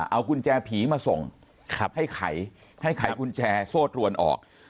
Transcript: เอากุญแจผีมาส่งให้ไขให้ไขกุญแจโซ่ตรวนออก